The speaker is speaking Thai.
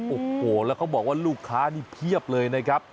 โอ้โหแล้วเขาบอกว่าลูกค้านี่เพียบเลยนะครับ